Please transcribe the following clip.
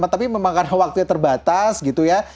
tapi memang karena waktunya terbatas gitu ya